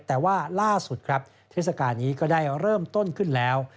แต่ว่าล่าสุดครับเทศกาลนี้ก็ได้เริ่มต้นขึ้นแล้ว